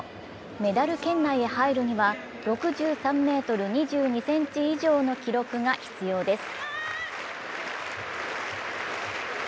メダル圏内へ入るには、６３ｍ２２ｃｍ以上の記録が必要です。